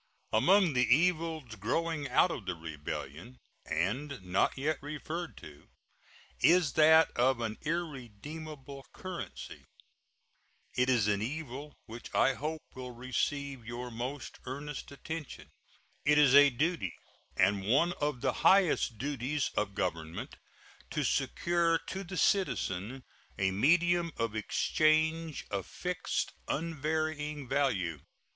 Among the evils growing out of the rebellion, and not yet referred to, is that of an irredeemable currency. It is an evil which I hope will receive your most earnest attention. It is a duty, and one of the highest duties, of Government to secure to the citizen a medium of exchange of fixed, unvarying value.